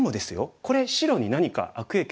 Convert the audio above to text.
これ白に何か悪影響。